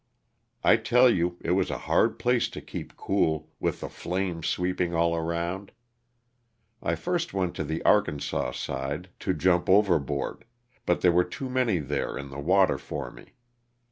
I tell you it was a hard place to keep cool, with the flames sweep ing all around. I first went to the Arkansas f^de to jump overboard, but there were too many there iu the water for me.